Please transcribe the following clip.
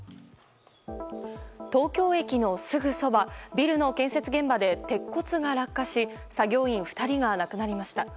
東京駅のすぐそばビルの建設現場で鉄骨が落下し作業員２人が亡くなりました。